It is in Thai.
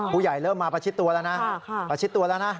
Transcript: เริ่มมาประชิดตัวแล้วนะประชิดตัวแล้วนะ